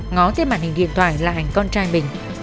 ngó tên màn hình điện thoại là ảnh con trai mình